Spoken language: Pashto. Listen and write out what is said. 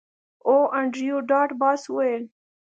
هو انډریو ډاټ باس وویل